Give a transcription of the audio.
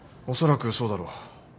おそらくそうだろう。